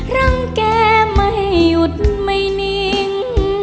รังแกไม่หยุดไม่นิ่ง